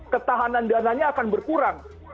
ketahanan dananya akan berkurang